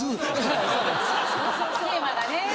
テーマがね。